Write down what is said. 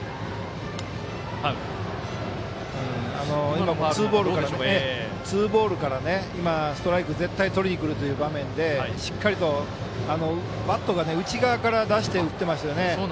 今、ツーボールから今、ストライクを絶対にとりにくるという場面でしっかりとバット内側から出して打ってますよね。